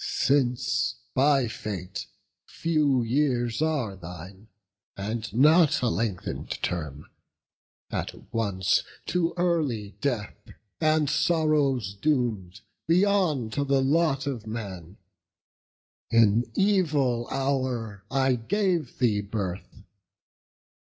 since by fate Few years are thine, and not a lengthened term; At once to early death and sorrows doom'd Beyond the lot of man! in evil hour I gave thee birth!